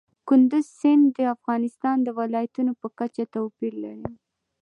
کندز سیند د افغانستان د ولایاتو په کچه توپیر لري.